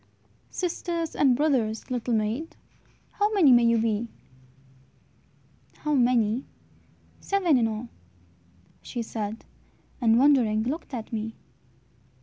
"Sisters and brothers, little maid, How many may you be?" "How many? Seven in all," she said, And wondering looked at me.